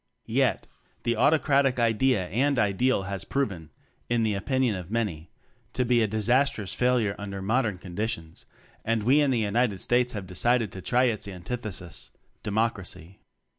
Yet, the autocratic idea and Ideal has proven, (in the opinion of many), to be a disastrous failure under mod ern conditions; and we in the United States have decided to try its antithesis Democracy.